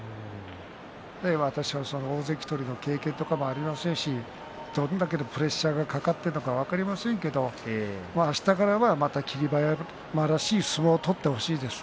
大関取りの経験などは私はありませんし、どれだけのプレッシャーがかかっているか分かりませんけどあしたからは、また霧馬山らしい相撲を取ってほしいです。